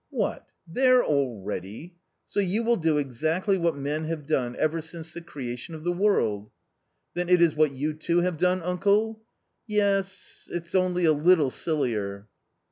" What, there already ? so you will do exactly what men have done ever since the creation of the world" " Then it is what you too have done, uncle ?"" Yes, it's only a little sillier."